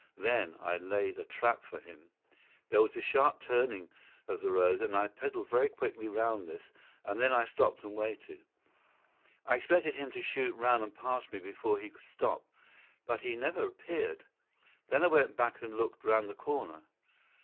Then I laid a trap for him. There is a sharp turning of the road, and I pedalled very quickly round this, and then I stopped and waited. I expected him to shoot round and pass me before he could stop. But he never appeared. Then I went back and looked round the corner.